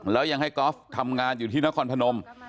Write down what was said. แล้วยังให้กอล์ฟทำงานอยู่ที่นครพนม